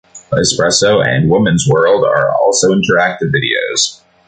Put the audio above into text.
"Espresso" and "Woman's World" are also interactive videos.